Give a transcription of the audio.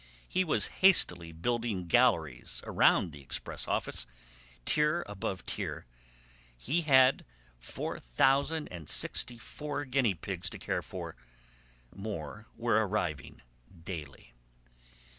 He was hastily building galleries around the express office, tier above tier. He had four thousand and sixty four guinea pigs to care for! More were arriving daily.